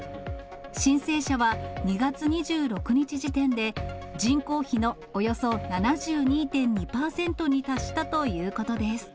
申請者は２月２６日時点で人口比のおよそ７２．２％に達したということです。